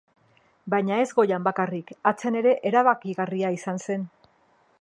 Baina ez goian bakarrik, atzean ere erabakigarria izan zen.